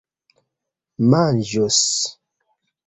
manĝus